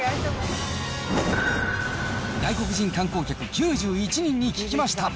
外国人観光客９１人に聞きました。